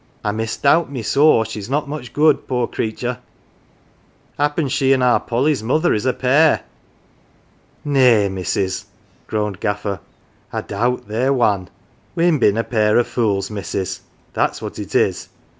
I misdoubt me sore she's not much good, poor creatur'. Happen she an' our Polly's mother is a pair." "Nay, missus," groaned Gaffer. "I doubt they're wan. We'n been a pair of fools, missus, that's what it is.